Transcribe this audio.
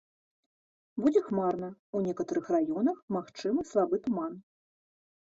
Будзе хмарна, у некаторых раёнах магчымы слабы туман.